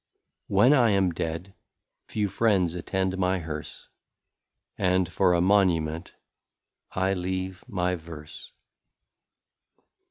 When I am Dead, few Friends attend my Hearse, And for a Monument, I leave my VERSE.